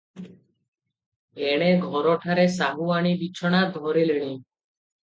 ଏଣେ ଘରଠାରେ ସାହୁଆଣୀ ବିଛଣା ଧରିଲେଣି ।